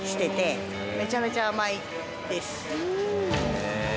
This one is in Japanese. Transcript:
へえ。